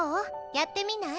やってみない？